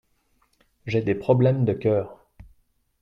J'ai des problèmes de cœur.